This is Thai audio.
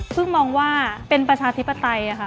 ซึ่งมองว่าเป็นประชาธิปไตยค่ะ